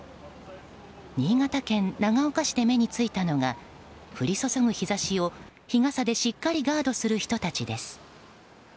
新潟県長岡市で目に付いたのが降り注ぐ日差しを、日傘でしっかりガードする人たちです。